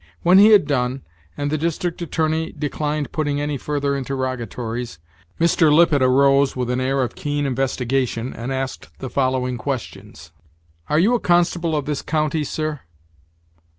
When he had done, and the district attorney declined putting any further interrogatories, Mr. Lippet arose, with an air of keen investigation, and asked the following questions: "Are you a constable of this county, sir?"